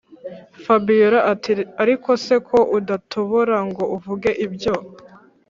fabiora ati”ariko se ko udatobora ngo uvuge ibyo